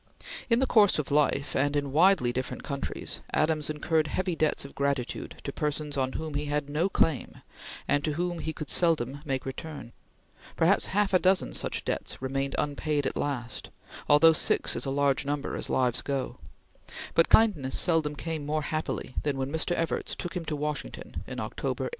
In the course of life, and in widely different countries, Adams incurred heavy debts of gratitude to persons on whom he had no claim and to whom he could seldom make return; perhaps half a dozen such debts remained unpaid at last, although six is a large number as lives go; but kindness seldom came more happily than when Mr. Evarts took him to Washington in October, 1868.